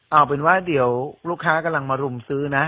เอาเป็นว่าเดี๋ยวลูกค้ากำลังมารุมซื้อนะ